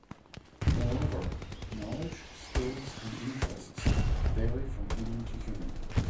Moreover, knowledge, skills and interests vary from human to human.